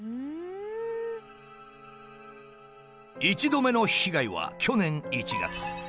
１度目の被害は去年１月。